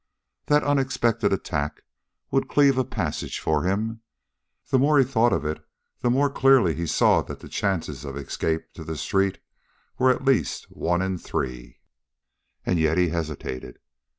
That unexpected attack would cleave a passage for him. The more he thought of it, the more clearly he saw that the chances of escape to the street were at least one in three. And yet he hesitated.